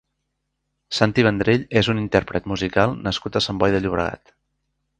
Santi Vendrell és un intérpret musical nascut a Sant Boi de Llobregat.